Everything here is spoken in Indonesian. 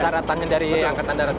saratannya dari angkatan darat